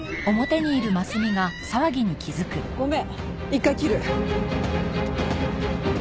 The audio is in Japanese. ごめん１回切る。